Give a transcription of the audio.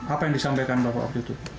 apa yang disampaikan bapak waktu itu